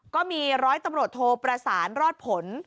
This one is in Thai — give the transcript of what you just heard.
ก็มีร้อยตำรวจโทประสานรอดผล